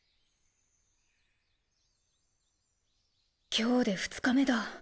今日で２日目だ。